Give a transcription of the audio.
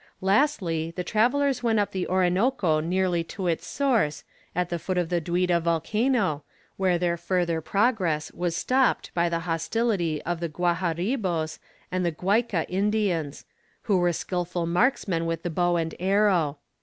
Lastly, the travellers went up the Orinoco nearly to its source, at the foot of the Duida volcano, where their further progress was stopped by the hostility of the Guaharibos and the Guaica Indians, who were skilful marksmen with the bow and arrow.